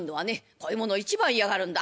こういうものを一番嫌がるんだ。